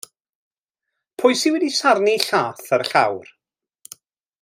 Pwy sydd wedi sarnu lla'th ar y llawr?